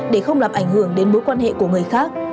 để không làm ảnh hưởng đến mối quan hệ của người khác